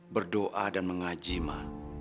berdoa dan mengaji ma